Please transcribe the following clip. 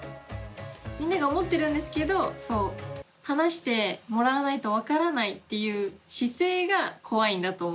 みんなが思ってるんですけど話してもらわないと分からないっていう姿勢が怖いんだと思います。